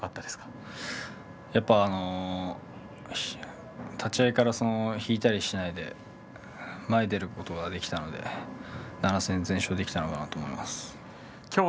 やっぱり立ち合いから引いたりしないで前に出ることができたので７戦全勝できたんじゃないかなと思います。